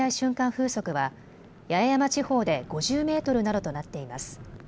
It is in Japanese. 風速は八重山地方で５０メートルなどとなっています。